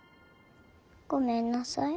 ごめんなさい。